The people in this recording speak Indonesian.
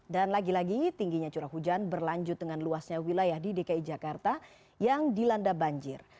dan lagi lagi tingginya curah hujan berlanjut dengan luasnya wilayah di dki jakarta yang dilanda banjir